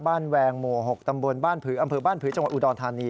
แวงหมู่๖ตำบลบ้านผืออำเภอบ้านผือจังหวัดอุดรธานี